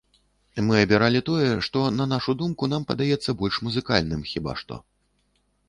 Мы абіралі тое, што, на нашу думку, нам падаецца больш музыкальным, хіба што.